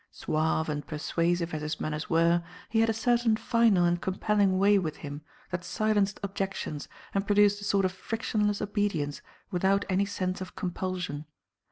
Suave and persuasive as his manners were, he had a certain final and compelling way with him that silenced objections and produced a sort of frictionless obedience without any sense of compulsion.